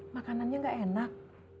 makanannya gak enak